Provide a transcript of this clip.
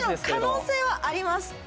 可能性はあります。